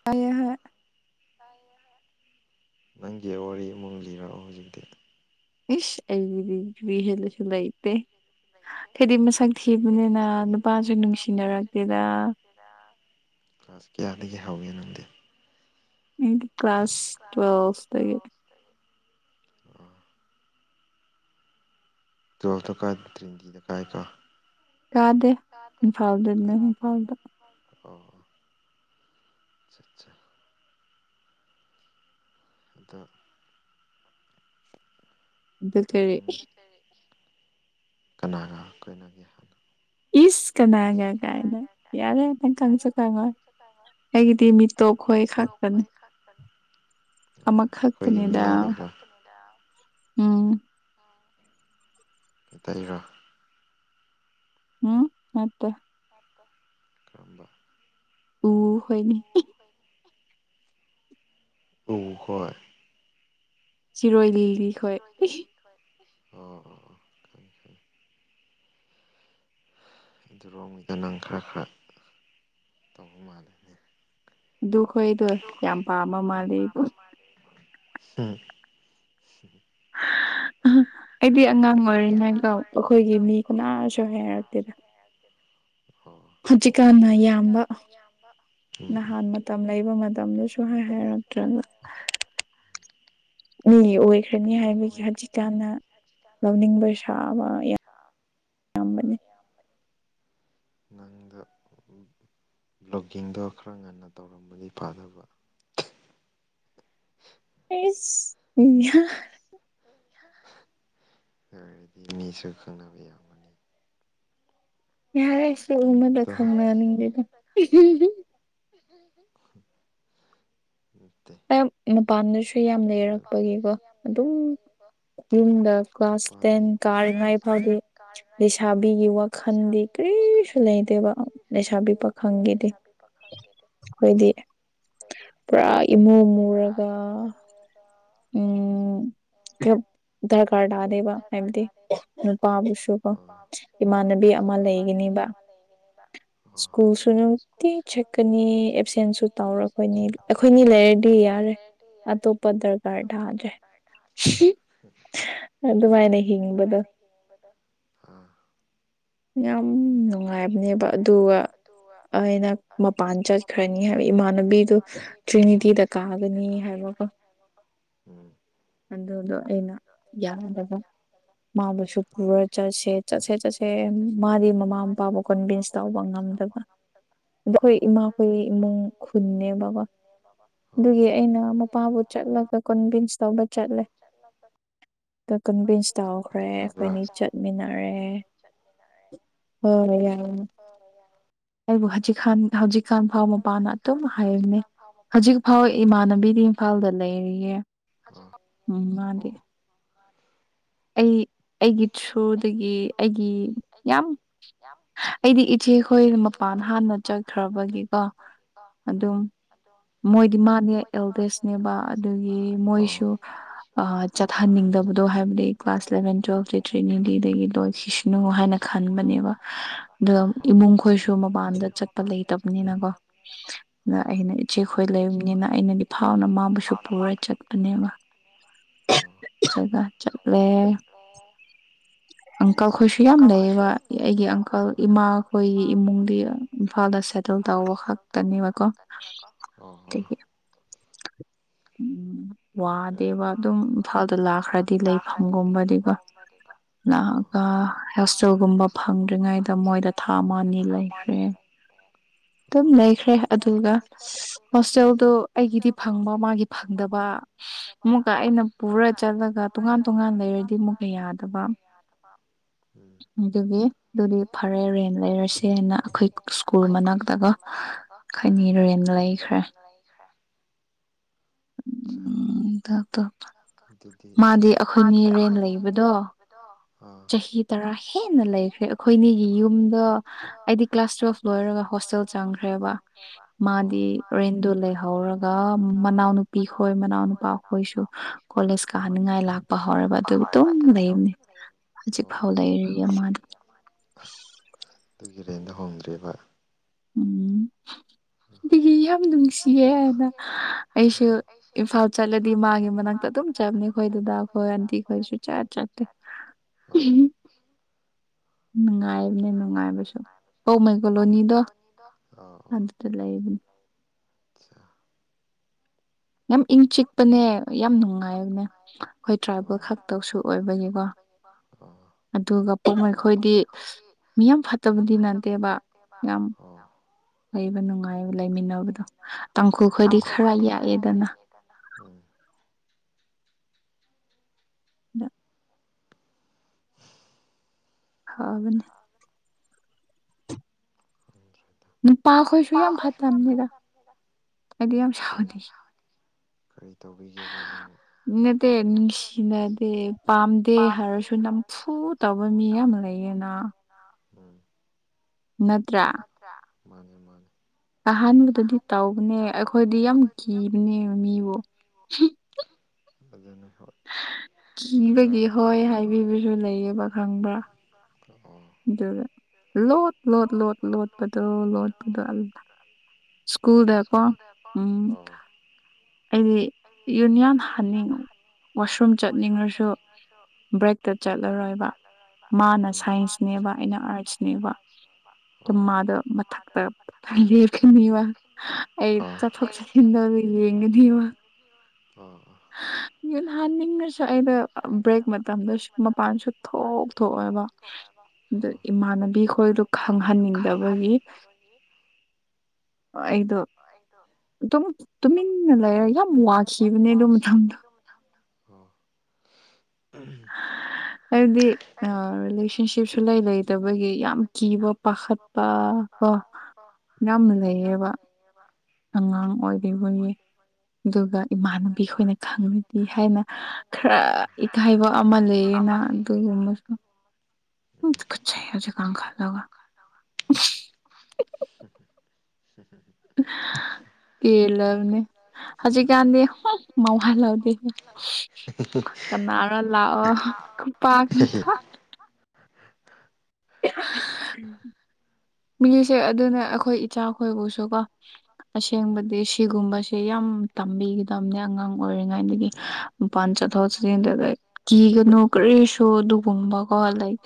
[unintelligible] ꯅꯪꯒꯤ ꯋꯥꯔꯤ ꯑꯃꯨꯛ ꯂꯤꯔꯛꯑꯣ ꯍꯧꯖꯤꯛꯇꯤ ꯏꯁ ꯑꯩꯒꯤꯗꯤ ꯖꯨꯕꯤ ꯍꯦꯜꯂꯁꯨ ꯂꯩꯇꯦ ꯍꯥꯏꯗꯤ ꯃꯁꯛ ꯊꯤꯕꯅꯤꯅ ꯅꯨꯄꯥꯁꯨ ꯅꯨꯡꯁꯤꯅꯔꯛꯇꯦꯗ ꯀ꯭ꯂꯥꯁ ꯀꯌꯥꯗꯒꯤ ꯍꯧꯋꯦ ꯅꯪꯗꯤ ꯀ꯭ꯂꯥꯁ ꯇꯋꯦꯜꯐ ꯇꯒꯤ ꯑꯣ ꯇꯨꯌꯦꯦꯜꯞꯇ ꯀꯥꯏ ꯇ꯭ꯔꯤꯟꯇꯤꯗ ꯀꯥꯏ ꯀꯣ ꯀꯥꯗꯦ ꯏꯝꯐꯥꯜꯗꯅꯤ ꯏꯝꯐꯥꯜꯗ ꯑꯣ ꯑꯆꯥ ꯑꯗꯣ ꯎ ꯀꯅꯥꯒ ꯀꯣꯏꯅꯒꯦ ꯍꯥꯏꯅꯣ ꯏꯁ ꯀꯅꯥꯒ ꯀꯥꯏꯅ ꯌꯥꯔꯦ ꯅꯪꯀꯪꯁꯨ ꯈꯪꯉꯣꯏ ꯑꯩꯒꯤꯗꯤ ꯃꯤꯇꯣꯞ ꯈꯣꯏ ꯈꯛ ꯎ ꯑꯩꯈꯣꯏꯒꯤ ꯃꯤ ꯎꯝ ꯍ ꯇꯔꯣ ꯀꯔꯝꯕ ꯎ ꯍꯣꯏꯅꯦ ꯑꯣ ꯍꯣꯏ ꯁꯤꯔꯣꯏ ꯂꯤꯂꯤ ꯁꯤꯔꯣꯏ ꯂꯤ ꯊꯣꯏ ꯑꯗꯨꯔꯣꯃꯤꯗ ꯅꯪ ꯈꯔ ꯈꯔ ꯇꯧꯕ ꯃꯥꯜꯂꯅꯦ ꯗꯨ ꯍꯣꯏꯗ ꯎꯟ ꯑꯩꯗꯤ ꯑꯉꯥꯡ ꯑꯣꯏꯔꯤꯉꯩꯀꯣ ꯑꯩꯈꯣꯏꯒꯤ ꯃꯤ ꯀꯅꯥꯁꯨ ꯍꯥꯏꯔꯛꯇꯦꯗ ꯌꯥ ꯑꯣ ꯍꯧꯖꯤꯛꯀꯥꯟꯅ ꯌꯥꯝꯕ ꯅꯍꯥꯟ ꯃꯇꯝ ꯂꯩꯕ ꯃꯇꯝꯗ ꯁꯨꯍꯥꯏ ꯍꯥꯏꯔꯛ ꯇꯔꯒ ꯃꯤꯒꯤ ꯑꯣꯏꯈ꯭ꯔꯅꯤ ꯍꯥꯏꯕꯒꯤ ꯍꯧꯖꯤꯛꯀꯥꯟꯅ ꯂꯧꯅꯤꯡꯕ ꯁꯥꯕ ꯌꯥꯝ ꯅꯨꯄꯥ ꯌꯥꯝ ꯂꯩ ꯅꯪꯗ ꯕ꯭ꯂꯣꯒꯤꯡꯗꯣ ꯈꯔ ꯉꯟꯅ ꯇꯧꯔꯝꯕꯗꯤ ꯐꯥꯗꯕ ꯏ ꯗꯤ ꯃꯤꯁꯨ ꯈꯪꯅꯕꯤ ꯌꯥꯝ ꯌꯥꯔꯦ ꯁ ꯑꯃꯗ ꯈꯪꯅꯅꯤꯡꯉꯦꯗ ꯎꯠꯇ ꯃꯄꯥꯟꯗꯁꯨ ꯃꯄꯥꯟꯗꯁꯨ ꯌꯥꯝ ꯂꯩꯔꯛꯄꯅꯦꯕ ꯌꯨꯝꯗ ꯀ꯭ꯂꯥꯁ ꯇꯦꯟ ꯀꯥꯔꯤꯉꯩ ꯐꯥꯎꯒꯤ ꯂꯩꯁꯥꯕꯤꯒꯤ ꯋꯥ ꯈꯟꯗꯤ ꯀꯔꯤꯁꯨ ꯂꯩꯇꯦꯕ ꯂꯩꯁꯥꯕꯤ ꯄꯥꯥꯈꯪꯒꯤꯗꯤ ꯑꯩꯈꯣꯏꯗꯤ ꯄꯨꯔꯥ ꯏꯃꯨ ꯃꯔꯒ ꯑ ꯎꯝ ꯀ ꯗꯔꯀꯥꯔ ꯇꯥꯗꯦꯕ ꯍꯥꯏꯕꯗꯤ ꯅꯨꯄꯥꯕꯨꯁꯨꯀꯣ ꯏꯃꯥꯟꯅꯕꯤ ꯑꯃ ꯂꯩꯒꯅꯦꯕ ꯁ꯭ꯀꯨꯜꯁꯨ ꯅꯨꯡꯇꯤ ꯆꯠꯀꯅꯤ ꯑꯦꯞꯁꯦꯟꯁꯨ ꯇꯧꯔꯛ ꯑꯩꯈꯣꯏꯅꯤ ꯑꯩꯈꯣꯏꯅꯤ ꯂꯩꯔꯗꯤ ꯌꯥꯔꯦ ꯑꯇꯣꯞꯄ ꯗꯔꯀꯥ ꯑꯇꯣꯞꯄ ꯗꯔꯔ ꯊꯥꯒꯦ ꯑꯗꯨꯃꯥꯏꯅ ꯍꯤꯡꯉꯤ ꯑꯥ ꯌꯥꯝ ꯅꯨꯡꯉꯥꯏꯕꯅꯦꯕ ꯑꯗꯨꯒ ꯑꯩꯅ ꯃꯄꯥꯟ ꯆꯠ ꯃꯄꯥꯟ ꯆꯠꯈ꯭ꯔꯅꯤ ꯍꯥꯏꯕ ꯏꯃꯥꯟꯅꯕꯤꯗꯨ ꯇ꯭ꯔꯤꯅꯤꯇꯤꯗ ꯀꯥꯒꯅꯤ ꯍꯥꯏꯕ ꯑꯗꯨꯗꯣ ꯑꯩꯅ ꯌꯥꯗꯕ ꯃꯥꯕꯨꯁꯨ ꯄꯨꯔꯥ ꯆꯠꯁꯦ ꯆꯠꯁꯦ ꯆꯠꯁꯦ ꯃꯥꯗꯤ ꯃꯃꯥ ꯃꯄꯥꯕꯨ ꯀꯟꯚꯤꯟꯁ ꯇꯧꯕ ꯉꯝꯗꯕ [unintelligible] ꯗꯣ ꯑꯩꯈꯣꯏ ꯏꯃꯥꯈꯣꯏ ꯏꯃꯨꯡ ꯈꯨꯟꯅꯦꯕꯀꯣ ꯑꯗꯨꯒꯤ ꯑꯩꯅ ꯃꯄꯥꯕꯨ ꯆꯠ ꯆꯠꯂꯒ ꯀꯣꯟꯚꯤꯟꯁ ꯇꯧꯕ ꯆꯠꯂꯦ ꯗꯣ ꯀꯟꯚꯤꯟꯁ ꯇꯧꯈ꯭ꯔꯦ ꯑꯩꯈꯣꯏꯅꯤ ꯆꯠ ꯃꯤꯟꯅꯔꯦ ꯍꯣꯏ ꯌꯥꯝ ꯑꯩꯕꯨ ꯍꯧꯖꯤꯛꯀꯥꯟ ꯍꯧꯖꯤꯛꯀꯥꯟ ꯐꯥꯎ ꯃꯄꯥꯅ ꯑꯗꯨꯝ ꯍꯥꯏꯕꯅꯦ ꯍꯧꯖꯤꯛ ꯐꯥꯎ ꯏꯃꯥꯟꯅꯕꯤꯗꯤ ꯏꯝꯐꯥꯜꯗ ꯂꯩꯔꯤꯌꯦ [unintelligible] ꯎꯝ ꯃꯥꯗꯤ [unintelligible] ꯑꯩ ꯑꯩꯒꯤ ꯊ꯭ꯔꯨꯗꯒꯤ ꯑꯩꯒꯤ ꯌꯥꯝ ꯑꯩꯗꯤ ꯏꯆꯦꯈꯣꯏ ꯃꯄꯥꯟ ꯍꯥꯟꯅ ꯆꯠꯈ꯭ꯔꯕꯒꯤꯀꯣ ꯑꯗꯨꯝ ꯑꯗꯣ ꯃꯣꯏꯗꯤ ꯃꯥꯅꯦ ꯑꯦꯜꯗꯦꯁꯅꯦꯕ ꯑꯗꯨꯒꯤ ꯃꯣꯏꯁꯨ ꯆꯠꯍꯟꯅꯤꯡꯗꯕꯗꯣ ꯍꯥꯏꯕꯗꯤ ꯀ꯭ꯂꯥꯁ ꯏꯂꯚꯦꯟ ꯇꯨꯋꯦꯜꯐꯀꯤ ꯇ꯭ꯔꯦꯅꯤꯡ ꯗꯒꯤ ꯂꯣꯏ ꯍꯁꯅꯨ ꯍꯥꯏꯅ ꯈꯟꯕꯅꯦꯕ ꯑꯗꯨ ꯏꯃꯨꯡ ꯈꯣꯏꯁꯨ ꯃꯄꯥꯟꯗ ꯃꯄꯥꯟꯗ ꯆꯠꯄ ꯂꯩꯇꯕꯅꯤꯅꯀꯣ ꯑꯥ ꯑꯩꯅ ꯏꯆꯦ ꯈꯣꯏ ꯂꯩꯔꯝꯅꯤꯅ ꯑꯩꯅꯗꯤ ꯐꯥꯎꯅ ꯃꯥꯕꯨꯁꯨ ꯄꯨꯔꯣꯏ ꯆꯠꯄꯅꯦꯕ ꯑꯥ [unintelligible] ꯆꯠꯂꯦ [unintelligible] ꯑꯪꯀꯜ ꯈꯣꯏꯁꯨ ꯌꯥꯝ ꯂꯩꯌꯦꯕ ꯑꯩꯒꯤ ꯑꯪꯀꯜ ꯏꯃꯥꯈꯣꯏꯒꯤ ꯏꯃꯨꯡꯗꯤ ꯏꯝꯐꯥꯜꯗ ꯁꯠ ꯇꯜꯇꯧꯕ ꯈꯛꯇꯅꯦꯕꯀꯣ [unintelligible] ꯋꯥꯗꯦꯕ ꯑꯗꯨꯝ ꯏꯝꯐꯥꯜꯗ ꯂꯥꯛꯈ꯭ꯔꯗꯤ ꯂꯩ ꯐꯪꯒꯨꯝꯕꯗꯤꯀꯣ ꯂꯥꯛꯑꯥꯒ ꯍꯣꯁꯇꯦꯜꯒꯨꯝꯕ ꯐꯪꯗ꯭ꯔꯤꯉꯩꯗ ꯃꯣꯏꯗ ꯊꯥ ꯑꯃꯥꯅꯤ ꯂꯩꯈ꯭ꯔꯦ ꯑꯗꯨꯝ ꯂꯩꯈ꯭ꯔꯦ ꯑꯗꯨꯒ ꯍꯣꯁꯇꯦꯜꯗꯣ ꯑꯩꯒꯤꯗꯤ ꯐꯪꯕ ꯃꯥꯒꯤ ꯐꯪꯗꯕ ꯑꯃꯨꯛꯀꯥ ꯑꯩꯅ ꯄꯨꯔ ꯆꯠꯂꯒ ꯇꯣꯉꯥꯟ ꯆꯠꯂꯒ ꯇꯣꯉꯥꯟ ꯇꯣꯉꯥꯟ ꯂꯩꯔꯗꯤ ꯃꯨꯛꯀꯥ ꯌꯥꯗꯕ ꯑꯗꯨꯒꯤ ꯑꯗꯨꯗꯤ ꯐꯔꯦ ꯔꯦꯟ ꯂꯩꯔꯁꯦꯅ ꯑꯩꯈꯣꯏ ꯁ꯭ꯀꯨꯜ ꯃꯅꯥꯛꯇꯀꯣ ꯀꯣ ꯈꯣꯏꯅꯤ ꯔꯦꯟꯗ ꯂꯩꯈ꯭ꯔꯦ ꯎꯝ ꯇꯥꯎ ꯇꯥꯎ [unintelligible] ꯑꯗꯨꯗꯤ ꯃꯥꯗꯤ ꯑꯩꯈꯣꯏꯅꯤ ꯔꯦꯟ ꯂꯩꯕꯗꯣ ꯆꯍꯤ ꯇꯔꯥ ꯍꯦꯟꯅ ꯂꯩꯈ꯭ꯔꯦ ꯑꯩꯈꯣꯏꯅꯤꯒꯤ ꯌꯨꯝꯗꯣ ꯑꯩꯗꯤ ꯀ꯭ꯂꯥꯁ ꯇꯨꯋꯦꯜꯐ ꯂꯣꯏꯔꯒ ꯍꯣꯁꯇꯦꯜ ꯆꯪꯈ꯭ꯔꯦꯕ ꯃꯥꯗꯤ ꯔꯦꯟꯗꯨ ꯂꯩꯍꯧꯔꯒ ꯃꯅꯥꯎꯅꯨ ꯅꯨꯄꯤꯈꯣꯏ ꯃꯅꯥꯎ ꯅꯨꯄꯥ ꯈꯣꯏꯁꯨ ꯀꯣꯂꯦꯖ ꯀꯥꯍꯟꯅꯤꯡꯉꯥꯏ ꯂꯥꯛꯄ ꯍꯧꯔꯦꯕ ꯑꯗꯨꯒꯤ ꯑꯗꯨꯝ ꯂꯩꯕꯅꯤ ꯑꯣ ꯍꯧꯖꯤꯛ ꯐꯥꯎ ꯂꯩꯔꯤ ꯑꯁ ꯑꯗꯨꯒꯤ ꯔꯦꯟꯗꯣ ꯍꯣꯡꯗ꯭ꯔꯤꯕ ꯎꯝ ꯑꯗꯨꯗꯤ ꯌꯥꯝ ꯅꯨꯡꯁꯤꯌꯦ ꯍꯥꯏꯅ ꯑꯩꯁꯨ ꯏꯝꯐꯥꯜ ꯆꯠꯂꯗꯤ ꯃꯥꯒꯤ ꯃꯅꯥꯛꯇ ꯑꯗꯨꯝ ꯅꯥꯛꯇ ꯑꯗꯨꯝ ꯆꯪꯉꯦ ꯑꯩꯈꯣꯏ ꯗꯥꯗꯥꯈꯣꯏ ꯑꯟꯇꯤ ꯀꯩꯁꯨ [unintelligible] ꯑꯣ ꯅꯨꯡꯉꯥꯏ ꯅꯨꯡꯉꯥꯏꯅꯦ ꯅꯨꯡꯉꯥꯏꯕꯁꯨ [unintelligible] ꯀꯣꯂꯣꯅꯤꯗꯣ ꯑꯗꯨ ꯂꯩꯕꯅꯤ ꯌꯥꯝ ꯏꯪ ꯆꯤꯛꯄꯅꯦ ꯌꯥꯝ ꯅꯨꯡꯉꯥꯏꯕꯅꯦ ꯑꯩꯈꯣꯏ ꯇ꯭ꯔꯥꯏꯕꯦꯜ ꯈꯛꯇꯁꯨ ꯑꯣꯏꯕꯒꯤꯀꯣ ꯑꯣ ꯑꯗꯨꯒ ꯄꯨꯡ ꯑꯩꯈꯣꯏꯗꯤ ꯃꯤ ꯌꯥꯝ ꯐꯠꯇꯕꯗꯤ ꯅꯠꯇꯦꯕ ꯌꯥꯝ ꯂꯩꯕ ꯅꯨꯡꯉꯥꯏꯕ ꯂꯩꯃꯤꯟꯅꯕꯗꯣ ꯇꯥꯡꯈꯨꯈꯣꯏꯗꯤ ꯈꯔ ꯌꯥꯛꯑꯦꯗꯅ ꯎꯝ [unintelligible] ꯐꯥꯕꯅꯦ ꯎꯝ ꯅꯨꯄꯥꯈꯁꯨ ꯌꯥꯝ ꯐ ꯆꯝ ꯀꯔꯤ ꯇꯧꯕꯤꯒꯦꯕ ꯑꯗꯨꯝ ꯏ ꯅꯗꯦ ꯅꯨꯡꯁꯤꯅꯗꯦ ꯄꯥꯝꯗꯦ ꯍꯥꯏꯔꯁꯨ ꯅꯝ ꯐꯨꯠ ꯇꯧꯕ ꯃꯤ ꯌꯥꯝ ꯂꯩꯌꯦꯅ ꯂꯄ ꯅꯠꯇ꯭ꯔ ꯅꯠꯇ꯭ꯔ ꯃꯥꯅꯤ ꯃꯥꯅꯦ ꯑꯍꯥꯟꯕꯗꯗꯤ ꯇꯧꯕꯅꯦ ꯑꯩꯈꯣꯏꯗꯤ ꯌꯥꯝ ꯀꯤꯕꯅꯦ ꯃꯤꯕꯨ ꯖꯅ ꯍꯣ ꯀꯤꯕꯒꯤ ꯍꯣꯏ ꯍꯥꯏꯕꯤꯕꯁꯨ ꯂꯩꯌꯦꯕ ꯈꯪꯕ꯭ꯔꯥ ꯑꯣ ꯑꯣ ꯂꯣ ꯂꯣ ꯂꯣ ꯂꯣꯠꯄꯗꯣ ꯂꯣꯠꯄꯗꯣꯜ ꯁ꯭ꯀꯨꯜꯗꯀꯣ ꯎꯝ ꯑꯩꯗꯤ ꯑꯩ ꯌꯨꯝ ꯌꯥꯝ ꯍꯥꯟꯅꯤꯡꯉ ꯋꯥꯁꯨꯝ ꯆꯠꯅꯤꯡꯉꯁꯨ ꯕ꯭ꯔꯦꯛꯇ ꯆꯠꯂꯔꯣꯏꯕ ꯃꯥꯅ ꯁꯥꯏꯟꯁꯅꯦꯕ ꯑꯩꯅ ꯑꯥꯔꯠꯁꯅꯦ ꯃꯥꯗ ꯃꯊꯛꯇ ꯀꯅꯤꯕ ꯑꯩ ꯆꯠꯊꯣꯛ ꯆꯠꯁꯤꯟ ꯇꯧ ꯌꯦꯡꯒꯅꯤ ꯑꯣ ꯍ ꯌꯨꯠꯍꯟꯅꯤꯡꯉꯁꯨ ꯑꯩꯅ ꯕ꯭ꯔꯦꯛ ꯃꯇꯝꯗ ꯃꯄꯥꯟꯁꯨ ꯊꯣꯛ ꯊꯣꯛꯣꯛꯑꯦꯕ ꯑ ꯏꯃꯥꯟꯅꯕꯤ ꯈꯣꯏꯗ ꯈꯪꯍꯟꯅꯤꯡꯗꯕꯒꯤ [unintelligible] ꯑꯩꯗꯣ ꯇꯨꯃꯤꯟꯅ ꯂꯩꯔꯦ ꯌꯥꯝ ꯋꯥꯈꯤꯕꯅꯦ ꯑꯗꯨꯣ ꯃꯊꯪꯗ ꯑꯣ ꯍꯥꯏꯕꯗꯤ ꯔꯤꯂꯦꯁꯟꯁꯤꯞꯁꯨ ꯂꯩ ꯂꯩꯇꯕꯒꯤ ꯌꯥꯝ ꯀꯤꯕ ꯄꯥꯈꯠ ꯄꯠꯄ ꯀ ꯅꯅꯥ ꯃꯖꯥꯏꯕ ꯉ ꯑꯣꯏꯣꯏ ꯍ ꯑꯗꯨꯒ ꯏꯃꯥꯟꯅꯕꯤ ꯈꯣꯏꯅ ꯈꯪꯂꯉꯨꯗꯤ ꯍꯥꯏꯅ ꯈꯔ ꯏꯀꯥꯏꯕ ꯑꯃ ꯂꯩꯌꯦꯅ ꯁ ꯍꯧꯖꯤꯦ ꯀꯥꯟ ꯈꯥꯗꯒ [unintelligible] ꯑ [unintelligible] ꯇ ꯂꯧꯅꯦ ꯍꯧꯖꯤꯛꯀꯥꯟꯗꯤ ꯃꯉ ꯂꯧꯗꯦꯦ ꯀꯅꯥꯔ ꯂꯥꯎꯑꯣ ꯄ ꯀꯊ ꯃꯤꯁꯦ ꯑꯗꯨꯅ ꯑꯩꯈꯣꯏ ꯏꯆꯥ ꯈꯣꯏꯕꯨꯁꯨ ꯀꯣ ꯑꯁꯦꯡꯕꯗꯤ ꯁꯤꯒꯨꯝꯕꯁꯦ ꯌꯥꯝ ꯇꯝꯕꯤꯒꯗꯕꯅꯦ ꯑꯉꯥꯡ ꯑꯣꯏꯔꯤꯉꯥꯏꯗꯒꯤ ꯃꯄꯥꯟ ꯆꯠ ꯖꯗ ꯂꯥꯏꯛ ꯀꯤꯒꯅꯨ ꯀꯔꯤꯁꯨ ꯑꯗꯨꯒꯨꯝꯕꯀꯣ ꯂꯥꯏꯛ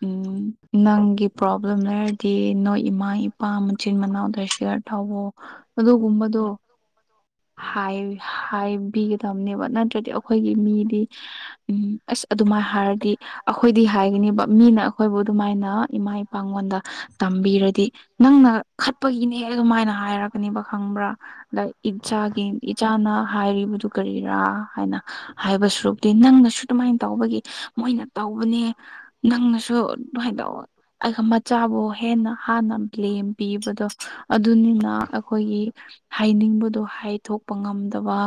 ꯎꯝ ꯅꯪꯒꯤ ꯄ꯭ꯔꯣꯕ꯭ꯂꯦꯝ ꯂꯩꯔꯗꯤ ꯅꯣꯏ ꯏꯃꯥ ꯏꯄꯥ ꯃꯆꯤꯟ ꯃꯅꯥꯎꯗ ꯁꯤꯌꯥꯔ ꯇꯧꯋꯣ ꯑꯗꯨꯒꯨꯝꯕꯗꯣ ꯍꯥꯏ ꯍꯥꯏꯕꯤꯒꯦ ꯇꯧꯕꯅꯦꯕ ꯅꯠꯇ꯭ꯔꯗꯤ ꯑꯩꯈꯣꯏꯒꯤ ꯃꯤꯗꯤ ꯎꯝ ꯑꯁ ꯑꯗꯨꯃꯥꯏꯅ ꯍꯥꯏꯔꯗꯤ ꯑꯈꯣꯏꯗꯤ ꯍꯥꯏꯒꯅꯤꯕ ꯃꯤꯅ ꯑꯈꯣꯏꯕꯨ ꯑꯗꯨꯃꯥꯏꯅ ꯏꯃꯥ ꯏꯄꯥꯉꯣꯟꯗ ꯇꯝꯕꯤꯔꯗꯤ ꯅꯪꯅ ꯈꯠꯄꯒꯤꯅꯦ ꯑꯗꯨꯃꯥꯏꯅ ꯍꯥꯏꯔꯛꯒꯅꯦꯕ ꯈꯪꯕ꯭ꯔꯥ ꯏꯆꯥꯒꯤ ꯏꯆꯥꯅ ꯍꯥꯏꯔꯤꯕꯗꯨ ꯀꯔꯤꯔꯥ ꯍꯥꯏꯅ ꯍꯥꯏꯕ ꯁꯨꯔꯨꯛꯇꯤ ꯅꯪꯅꯁꯨꯨ ꯑꯗꯨꯃꯥꯏꯅ ꯇꯧꯕꯒꯤ ꯃꯣꯏꯅ ꯇꯧꯕꯅꯦ ꯅꯪꯅꯁꯨ ꯅꯨꯡꯉꯥꯏꯗꯧꯕ ꯑꯩꯒ ꯃꯆꯥꯕꯨ ꯍꯦꯟꯅ ꯍꯥꯟꯅ ꯕ꯭ꯂꯦꯝ ꯄꯤꯕꯗꯣ ꯑꯗꯨꯅꯤꯅ ꯑꯩꯈꯣꯏꯒꯤ ꯍꯥꯏꯅꯤꯡꯕꯗꯣ ꯍꯥꯏꯊꯣꯛꯄ ꯉꯝꯗꯕ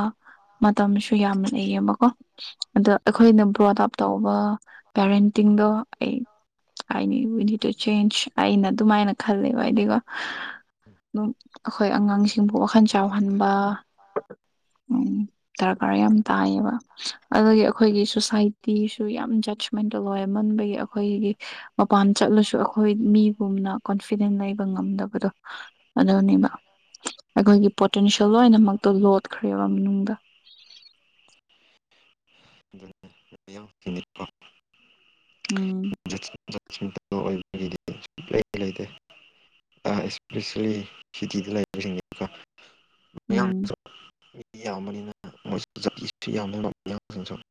ꯃꯇꯝꯁꯨ ꯌꯥꯝ ꯂꯩꯌꯦꯕꯀꯣ ꯑꯗꯣ ꯑꯩꯈꯣꯏꯅ ꯕ꯭ꯔꯣꯗ ꯑꯞ ꯇꯧꯕ ꯄꯦꯔꯦꯟꯇꯤꯡꯗꯣ ꯑꯩ ꯑꯥꯏ ꯅꯤ ꯋꯤ ꯅꯤ ꯇꯨ ꯆꯦꯟꯖ ꯑꯩꯅ ꯑꯗꯨꯃꯥꯏꯅ ꯈꯜꯂꯦꯕ ꯍꯥꯏꯗꯤꯀꯣ ꯗꯨꯝ ꯑꯩꯈꯣꯏ ꯑꯉꯥꯡꯁꯤꯡꯕꯨ ꯋꯥꯈꯟ ꯆꯥꯎꯍꯟꯕ ꯎꯝ ꯗꯔꯀꯥꯔ ꯌꯥꯝ ꯇꯥꯏꯌꯦꯕ ꯑꯗꯨꯒꯤ ꯑꯩꯈꯣꯏꯒꯤ ꯁꯣꯁꯥꯏꯇꯤꯁꯨ ꯌꯥꯝ ꯖꯁꯃꯦꯟꯇꯣ ꯂꯣꯏꯋꯦ ꯃꯟꯕꯒꯤ ꯑꯩꯈꯣꯏꯒꯤ ꯃꯄꯥꯟ ꯆꯠꯂꯁꯨ ꯑꯩꯈꯣꯏ ꯃꯤꯒꯨꯝꯅ ꯀꯣꯟꯐꯤꯗꯦꯟ ꯂꯩꯕ ꯉꯝꯗꯕꯗꯣ ꯑꯗꯨꯅꯦꯕ ꯑꯩꯈꯣꯏꯒꯤ ꯄꯣꯇꯤꯟꯁꯨ ꯂꯣꯏꯅꯃꯛꯇꯣ ꯂꯣꯠꯈ꯭ꯔꯦꯕ ꯃꯅꯨꯡꯗ ꯎꯝ [unintelligible] [unintelligible] ꯎꯝ [unintelligible]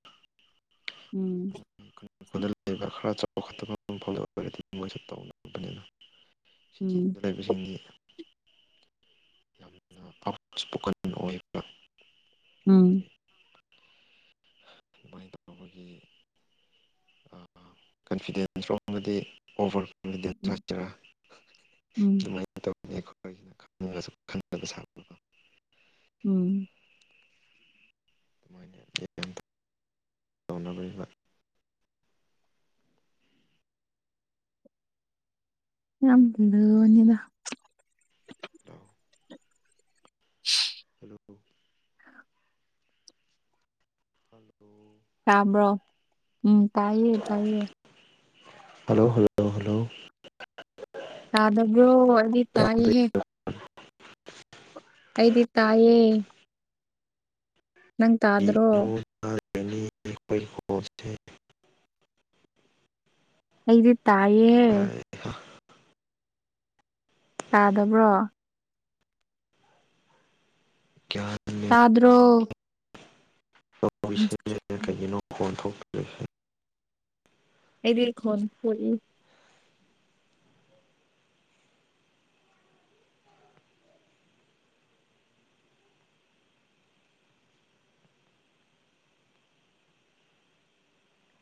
ꯎꯝ [unintelligible] [unintelligible] [unintelligible] [unintelligible] [inaudible] [unintelligible] [unintelligible] ꯥ [unintelligible] [unintelligible] ꯎꯝ ꯃꯣꯏꯅ ꯂꯤꯞ [unintelligible] [unintelligible] ꯅꯧ ꯍꯜꯂꯣ ꯍꯜꯂꯣ ꯇꯥꯕ꯭ꯔꯣ ꯎꯝ ꯇꯥꯏꯌꯦ ꯇꯥꯏꯌꯦ ꯍꯜꯂꯣ ꯍꯜꯂꯣ ꯇꯥꯗꯕ꯭ꯔꯣ ꯑꯩꯗꯤ ꯇꯥꯏꯌꯦ ꯑꯩꯗꯤ ꯇꯥꯏꯌꯦ ꯅꯪ ꯇꯥꯗ꯭ꯔꯣ [unintelligible] ꯑꯩꯗꯤ ꯇꯥꯏꯌꯦ ꯇꯥꯗꯕ꯭ꯔꯣ [unintelligible] ꯇꯥꯕꯔꯣ ꯑꯩꯁꯦ ꯀꯩꯒꯤꯅꯣ ꯑꯩꯕꯤꯔ ꯈꯣꯟ